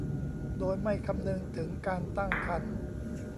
โดยไม่คำนึงถึงการตั้งครรภ์